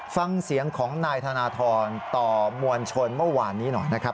ฟังเสียงของนายธนทรต่อมวลชนเมื่อวานนี้หน่อยนะครับ